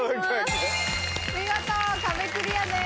見事壁クリアです。